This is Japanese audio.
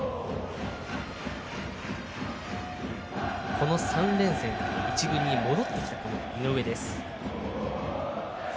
この３連戦１軍に戻ってきた井上です。